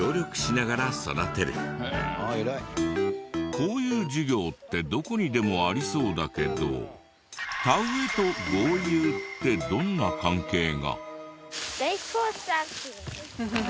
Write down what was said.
こういう授業ってどこにでもありそうだけど田植えと豪遊ってどんな関係が？